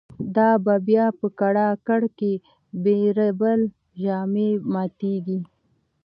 دا به بیا په کړاکړ کی د« بیربل» ژامی ماتیږی